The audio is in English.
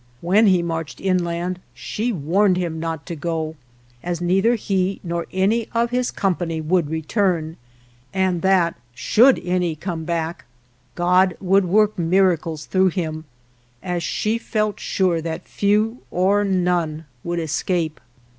When he marched inland she warned him not to go, as neither he nor any of his com pany would return, and that, should any come back, God would work miracles through him, as she felt sure that few, or none, would escape.